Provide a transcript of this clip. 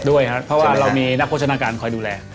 ด้วยครับเพราะว่าเรามีนักโภชนาการคอยดูแล